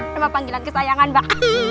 nama panggilan kesayangan mbak